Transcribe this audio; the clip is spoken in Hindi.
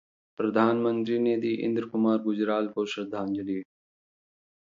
प्रधानमंत्री ने दी इंद्र कुमार गुजराल को श्रद्धांजलि